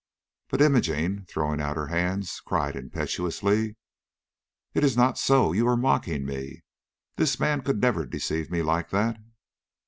But Imogene, throwing out her hands, cried impetuously: "It is not so; you are mocking me. This man never could deceive me like that!"